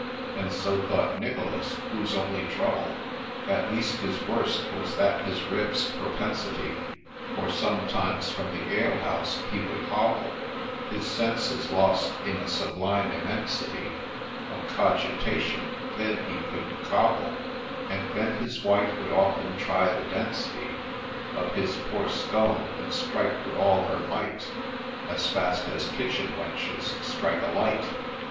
And so thought Nicholas, whose only trouble, ' (At least his worst,) was this his rib's propensity, For sometimes from the alehouse he would hobble, His senses lost in a sublime immensity Of cogitation — then he couldn't cobble — And then his wife would often try the density Of his poor skull, and strike with all her might, As fast as kitchen wenches strike a light.